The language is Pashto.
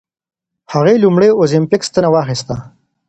هغې لومړۍ اوزیمپیک ستنه واخیسته.